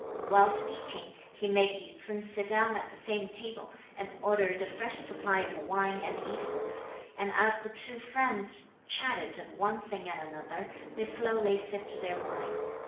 While speaking, he made Yü ts'un sit down at the same table, and ordered a fresh supply of wine and eatables; and as the two friends chatted of one thing and another, they slowly sipped their wine.